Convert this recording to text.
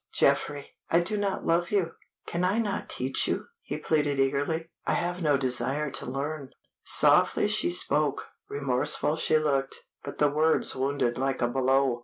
Geoffrey, I do not love you." "Can I not teach you?" he pleaded eagerly. "I have no desire to learn." Softly she spoke, remorseful she looked, but the words wounded like a blow.